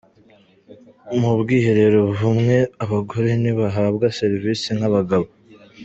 Mu bwiherero bumwe abagore ntibahabwa serivisi nk’abagabo